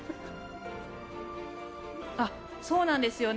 そうなんですよね。